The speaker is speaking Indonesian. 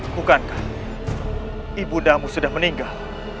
bukankah ibu damu sudah meninggal